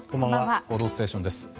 「報道ステーション」です。